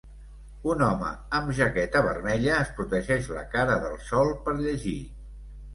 Un home amb jaqueta vermella es protegeix la cara del sol per llegir.